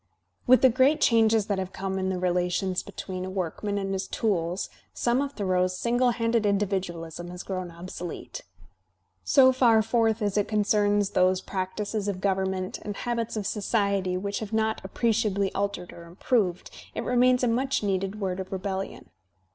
With the great changes that have come in the relations between a workman and his tools, some of Thoreau's single handed individualism has grown obsolete. So far forth as it concerns those practices of government and habits of society which have not appreciably altered or improved, it remains a much needed word of rebellion.